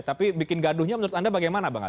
tapi bikin gaduhnya menurut anda bagaimana